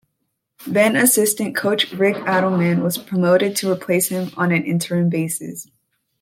Then-assistant coach Rick Adelman was promoted to replace him on an interim basis.